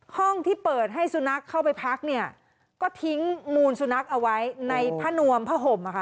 ห้องที่เปิดให้สุนัขเข้าไปพักเนี่ยก็ทิ้งมูลสุนัขเอาไว้ในผ้านวมผ้าห่มอะค่ะ